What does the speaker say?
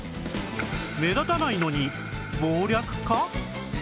目立たないのに謀略家？